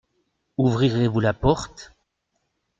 Ouvrirez-vous la porte ?